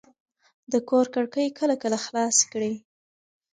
د کور کړکۍ کله کله خلاصې کړئ.